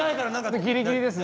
ギリギリですね。